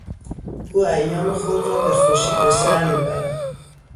او ایام خود را به خوشی بهسر میبرد.